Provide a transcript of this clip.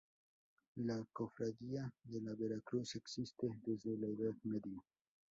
La cofradía de la Vera Cruz existe desde la edad media.